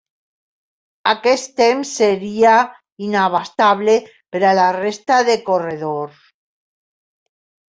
Aquest temps seria inabastable per a la resta de corredors.